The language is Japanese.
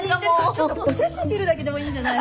ちょっとお写真見るだけでもいいんじゃないの。